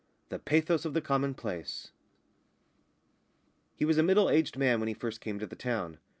THE PATHOS OF THE COMMONPLACE He was a middle aged man when he first came to the town.